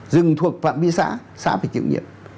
rừng thuộc phạm vi xã xã phải chịu nhiệm